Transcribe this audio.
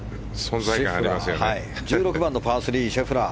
１６番のパー３、シェフラー。